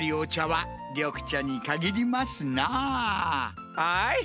はい。